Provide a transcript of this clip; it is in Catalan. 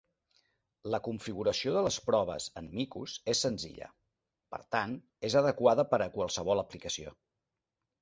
La configuració de les proves en micos és senzilla, per tant, és adequada per a qualsevol aplicació.